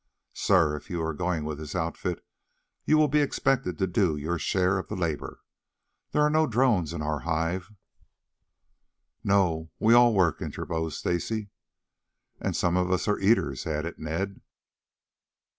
"Sir, if you are going with this outfit you will be expected to do your share of the labor. There are no drones in our hive." "No; we all work," interposed Stacy. "And some of us are eaters," added Ned.